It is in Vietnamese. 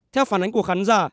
theo phản ánh của khán giả